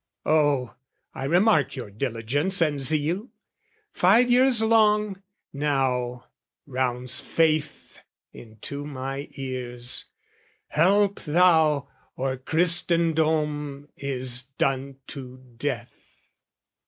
Oh, I remark your diligence and zeal! Five years long, now, rounds faith into my ears, "Help thou, or Christendom is done to death!"